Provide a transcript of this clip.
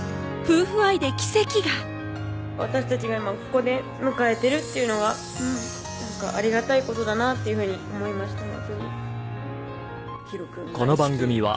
夫婦愛で奇跡が私たちが今ここで迎えてるっていうのがありがたいことだなっていうふうに思いました